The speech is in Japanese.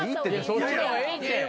そっちの方がええって。